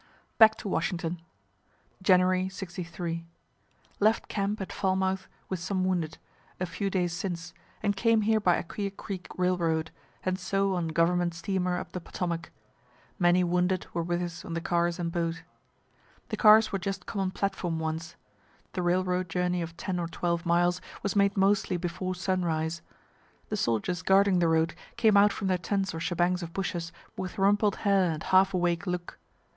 BACK TO WASHINGTON January, '63. Left camp at Falmouth, with some wounded, a few days since, and came here by Aquia creek railroad, and so on government steamer up the Potomac. Many wounded were with us on the cars and boat. The cars were just common platform ones. The railroad journey of ten or twelve miles was made mostly before sunrise. The soldiers guarding the road came out from their tents or shebangs of bushes with rumpled hair and half awake look.